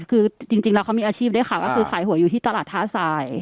คือจริงแล้วเขามีอาชีพด้วยค่ะก็คือขายหัวอยู่ที่ตลาดท่าทราย